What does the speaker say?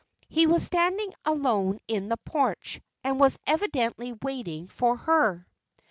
He was standing alone in the porch, and was evidently waiting for her.